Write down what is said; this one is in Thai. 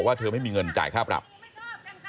ถ้าเขาถูกจับคุณอย่าลืม